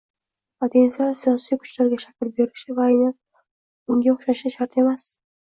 potensial siyosiy kuchlarga shakl berishi va aynan unga o‘xshashi shart emas